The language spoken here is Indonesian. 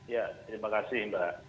ya terima kasih mbak